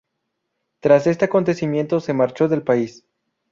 Tras este acontecimiento se marchó del país.